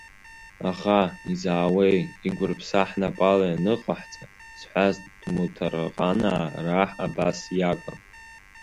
Аӷа изаауеи, игәырԥса ҳнапала ианыҟаҳҵа зҳәаз ҭмутараҟанаа раҳ Абас иакәан.